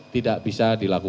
tidak bisa diperbaiki